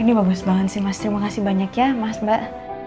ini bagus banget sih mas terima kasih banyak ya mas mbak